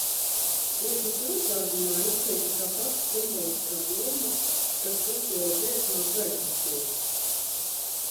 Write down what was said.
"Dziesmas noslēgumā izteikta tā pati simboliskā doma, kas Vītola dziesmā "Gaismas pils"."